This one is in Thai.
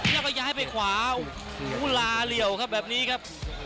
แล้วก็ย้ายไปขวาโอ้โหลาเหลี่ยวครับแบบนี้ครับ